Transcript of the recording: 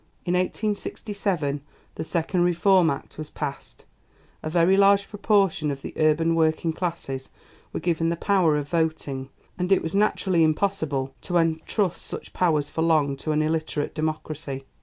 In 1867 the second Reform Act was passed; a very large proportion of the urban working classes were given the power of voting, and it was naturally impossible to entrust such powers for long to an illiterate democracy.